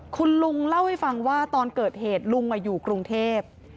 คุณลุงเล่าให้ฟังว่าตอนเกิดเหตุลุงอยู่กรุงเทพ